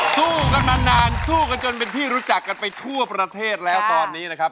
สู้กันมานานสู้กันจนเป็นที่รู้จักกันไปทั่วประเทศแล้วตอนนี้นะครับ